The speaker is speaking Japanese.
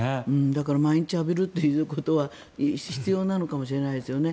だから毎日浴びるということは必要なのかもしれないですよね。